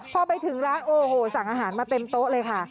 พอไปถึงร้านโอ้โหสั่งอาหารมาเต็มโต๊ะเลยค่ะ